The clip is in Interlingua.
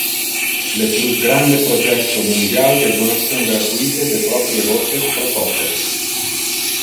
Le plus grande projecto mundial de donation gratuite de proprie voces pro totes.